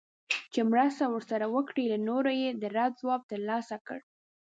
چي مرسته ورسره وکړي له نورو یې د رد ځواب ترلاسه کړ